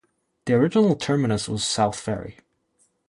The original terminus was South Ferry.